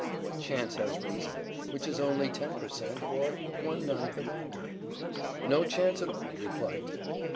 what chance has reason, which is only 10 per cent., or one ninth of anger?" "No chance at all," replied Dick.